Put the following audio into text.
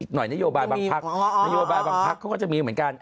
หน่อยนโยบายบางพักนโยบายบางพักเขาก็จะมีเหมือนกัน